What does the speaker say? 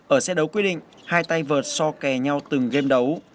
ở xếp đấu quyết định hai tay vợt so kè nhau từng game đấu